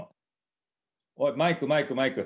おいマイクマイクマイク！